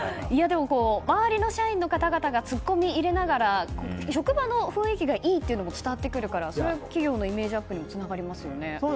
周りの社員の方がツッコミを入れながら職場の雰囲気がいいのも伝わってくるからそれは企業のイメージアップにもつながりますよね。